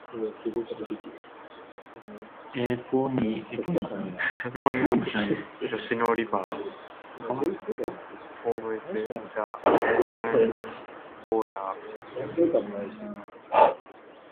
The eponymous Yoshino River forms the northern border of the city.